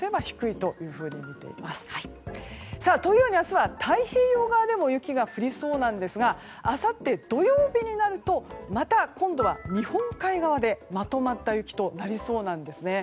というように、明日は太平洋側でも雪が降りそうですがあさって土曜日になるとまた今度は日本海側でまとまった雪となりそうなんです。